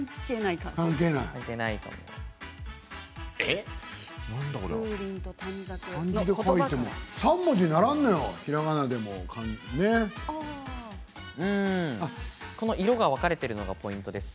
漢字で書いても３文字にならんのよ色が分かれているのがポイントです。